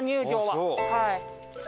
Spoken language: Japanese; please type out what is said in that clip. はい。